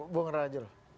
bung ra jero